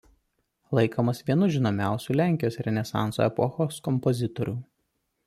Laikomas vienu žinomiausių Lenkijos Renesanso epochos kompozitorių.